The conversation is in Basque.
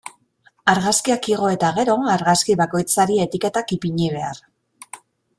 Argazkiak igo eta gero, argazki bakoitzari etiketak ipini behar.